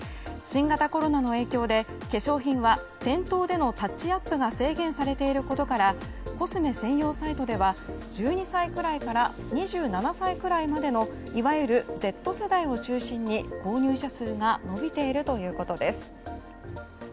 新型コロナの影響で化粧品は店頭でのタッチアップが制限されていることからコスメ専用サイトでは１２歳くらいから２７歳くらいまでのいわゆるＺ世代を中心に購入者数が伸びているということです。